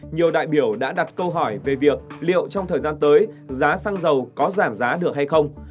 nhiều đại biểu đã đặt câu hỏi về việc liệu trong thời gian tới giá xăng dầu có giảm giá được hay không